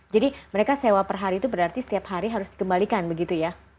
jadi mereka sewa per hari itu berarti setiap hari harus dikembalikan begitu ya